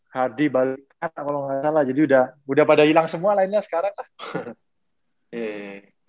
hadi balik kata kalau nggak salah jadi udah pada hilang semua lainnya sekarang lah